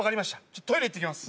ちょトイレ行ってきます